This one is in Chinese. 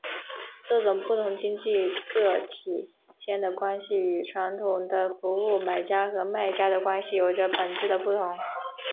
这种不同经济个体间的关系与传统的服务买家和卖家的关系有着本质的不同。